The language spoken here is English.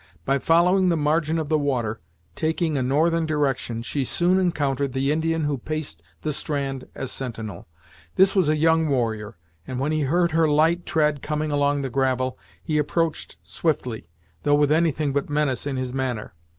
By following the margin of the water, taking a northern direction, she soon encountered the Indian who paced the strand as sentinel. This was a young warrior, and when he heard her light tread coming along the gravel he approached swiftly, though with anything but menace in his manner.